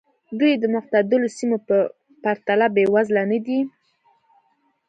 دوی د معتدلو سیمو په پرتله بېوزله نه دي.